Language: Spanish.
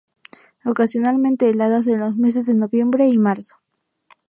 Ocasionalmente heladas en los meses de noviembre y marzo.